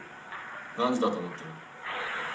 「何時だと思ってる」。